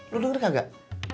lo denger kagak